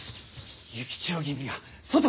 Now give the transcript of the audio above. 幸千代君が外に。